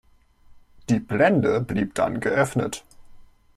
Die Blende blieb dann geöffnet.